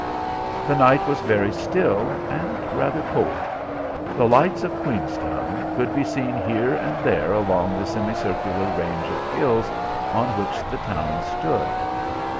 The night was very still, and rather cold. The lights of Queenstown could be seen here and there along the semi circular range of hills on which the town stood.